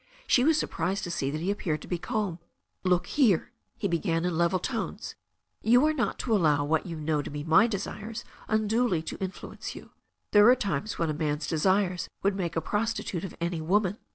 She was surprised to see that he ap peared to be calm. , "Look here," he began, in level tones, "you are not to allow what you know to be my desires unduly Vo voSiaaKw^^ 382 THE STORY Ox' A NEW ZEALAND RIVEE you. There are times when a man's desires would make a prostitute of any woman.